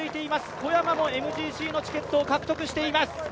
小山もＭＧＣのチケットを獲得しています。